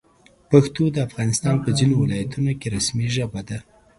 پښتو د افغانستان په ځینو ولایتونو کې رسمي ژبه ده.